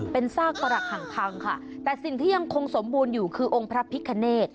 เป็นซากฝรักห่างพังค่ะแต่สิ่งที่ยังคงสมบูรณ์อยู่คือองค์พระพิคเนต